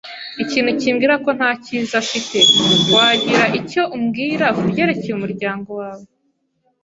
Ikintu kimbwira ko nta cyiza afite. Wagira icyo umbwira kubyerekeye umuryango wawe?